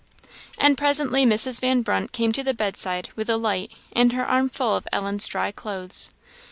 And presently Mrs. Van Brunt came to the bedside with a light, and her arm full of Ellen's dry clothes.